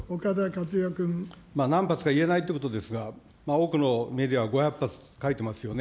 何発か言えないということですが、多くのメディアは５００発と書いてますよね。